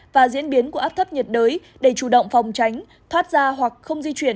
và diễn biến của áp thấp nhiệt đới để chủ động phòng tránh thoát ra hoặc không di chuyển